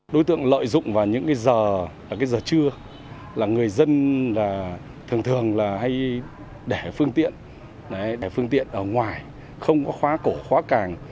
đối tượng lợi dụng vào những giờ trưa là người dân thường thường hay để phương tiện ở ngoài không có khóa cổ khóa càng